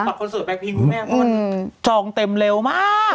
บัตรคอนเสิร์ตแบคพิงคุณแม่จองเต็มเร็วมาก